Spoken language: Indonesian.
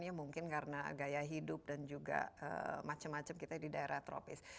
ya mungkin karena gaya hidup dan juga macam macam kita di daerah tropis